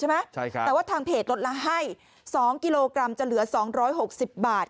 แต่ว่าทางเพจลดละให้๒กิโลกรัมจะเหลือ๒๖๐บาท